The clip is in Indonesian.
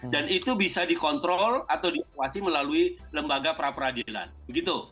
dan itu bisa dikontrol atau diakuasi melalui lembaga pra peradilan begitu